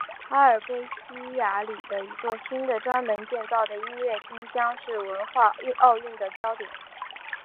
阿尔卑西亚里的一座新的专门建造的音乐厅将是文化奥运的焦点。